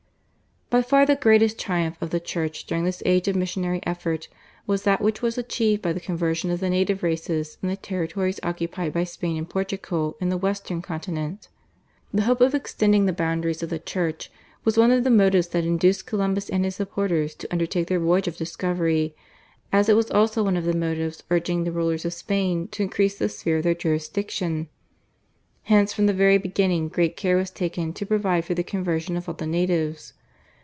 By far the greatest triumph of the Church during this age of missionary effort was that which was achieved by the conversion of the native races in the territories occupied by Spain and Portugal in the western continent. The hope of extending the boundaries of the Church was one of the motives that induced Columbus and his supporters to undertake their voyage of discovery, as it was also one of the motives urging the rulers of Spain to increase the sphere of their jurisdiction. Hence from the very beginning great care was taken to provide for the conversion of all the natives.